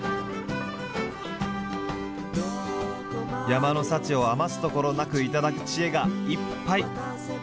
山の幸を余すところなく頂く知恵がいっぱい！